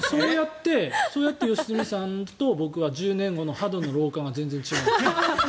そうやって良純さんと僕は１０年後の肌の老化が全然違う。